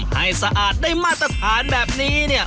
สะอาดได้มาตรฐานแบบนี้เนี่ย